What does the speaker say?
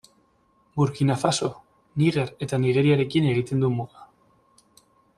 Burkina Faso, Niger eta Nigeriarekin egiten du muga.